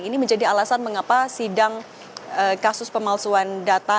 ini menjadi alasan mengapa sidang kasus pemalsuan data